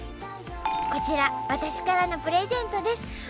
こちら私からのプレゼントです。